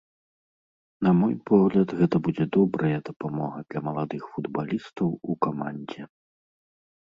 На мой погляд, гэта будзе добрая дапамога для маладых футбалістаў у камандзе.